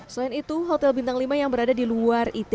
selain itu hotel bintang lima yang berada di luar it